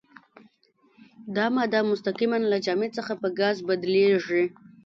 دا ماده مستقیماً له جامد حالت څخه په ګاز بدلیږي.